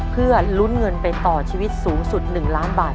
เพื่อลุ้นเงินไปต่อชีวิตสูงสุด๑ล้านบาท